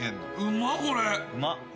うまっ。